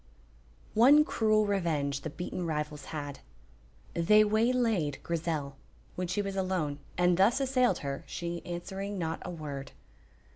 One cruel revenge the beaten rivals had. They waylaid Grizel, when she was alone, and thus assailed her, she answering not a word.